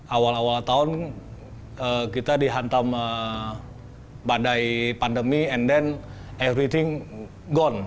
dua ribu dua puluh awal awal tahun kita dihantam badai pandemi dan kemudian semuanya hilang